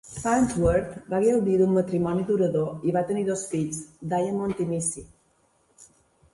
Farnsworth va gaudir d'un matrimoni durador i va tenir dos fills, Diamond i Missy.